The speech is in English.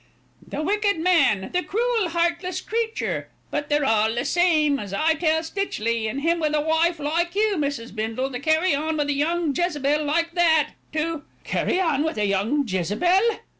"The wicked man, the cruel, heartless creature; but they're all the same, as I tell Stitchley, and him with a wife like you, Mrs. Bindle, to carry on with a young Jezebel like that, to " "Carry on with a young Jezebel!"